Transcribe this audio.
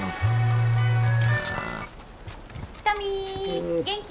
「トミー元気？